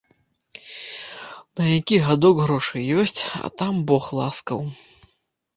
На які гадок грошы ёсць, а там бог ласкаў.